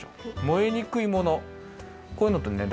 もえにくいものこういうのってね